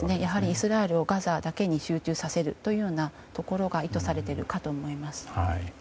イスラエルをガザだけに集中させるということが意図されているかと思います。